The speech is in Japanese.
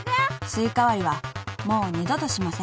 ［スイカ割りはもう二度としません］